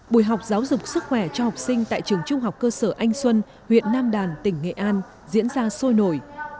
buổi học giáo dục sức khỏe cho học sinh tại trường trung học cơ sở anh xuân huyện nam đàn tỉnh nghệ an diễn ra sôi nổi